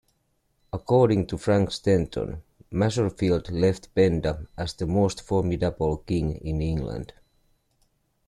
According to Frank Stenton, Maserfield left Penda as the most formidable king in England.